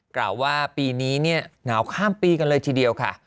กล่าวว่าปีนี้เนี่ยหนาวข้ามปีกันเลยทีเดียวค่ะ